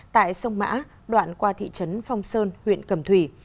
tại sông mã đoạn qua thị trấn phong sơn huyện cầm thủy